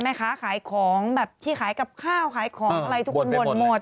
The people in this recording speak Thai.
แม่ค้าขายของแบบที่ขายกับข้าวขายของอะไรทุกคนบ่นหมด